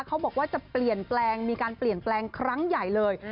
เขาบอกว่าจะเปลี่ยนแปลงมีการเปลี่ยนแปลงครั้งใหญ่เลย